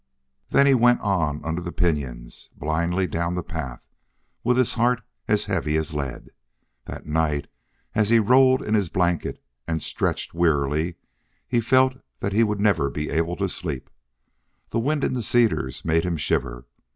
Then he went on under the pinyons, blindly down the path, with his heart as heavy as lead. That night as he rolled in his blanket and stretched wearily he felt that he would never be able to sleep. The wind in the cedars made him shiver.